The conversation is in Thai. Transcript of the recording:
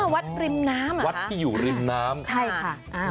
วัดริมน้ำอ่ะคะ